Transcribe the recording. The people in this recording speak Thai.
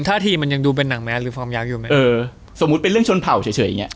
ท่าทีมันยังดูเป็นหนังแมสหรือฟอร์มยักษ์อยู่ไหมเออสมมุติเป็นเรื่องชนเผ่าเฉยเฉยอย่างเงี้